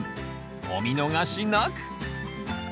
お見逃しなく。